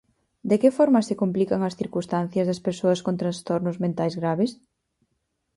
De que forma se complican as circunstancias das persoas con trastornos mentais graves?